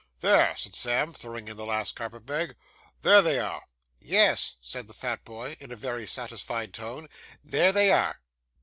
'There,' said Sam, throwing in the last carpet bag, 'there they are!' 'Yes,' said the fat boy, in a very satisfied tone, 'there they are.